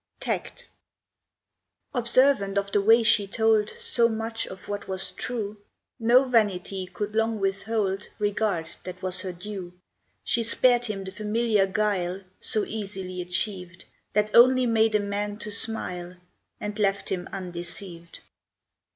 Tact Observant of the way she told So much of what was true, No vanity could long withhold Regard that was her due: She spared him the familiar guile, So easily achieved, That only made a man to smile And left him undeceived.